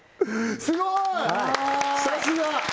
すごいさすが！